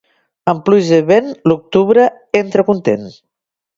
Amb pluja i vent, l'octubre entra content.